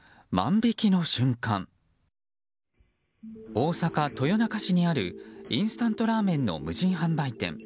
大阪・豊中市にあるインスタントラーメンの無人販売店。